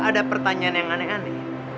ada pertanyaan yang aneh aneh